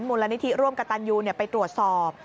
มูลนิธิร่วมกับตันยูไปตรวจสอบ